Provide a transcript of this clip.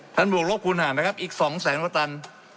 ท่านบวกรบคุณห่างนะครับอีกสองแสนกว่าตัน